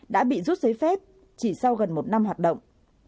đã bị rút giấy phép chỉ sau gần một năm hoạt động